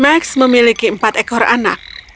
max memiliki empat ekor anak